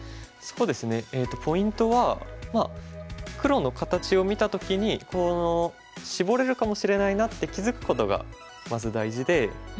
そうですねえっとポイントは黒の形を見た時にこのシボれるかもしれないなって気付くことがまず大事で。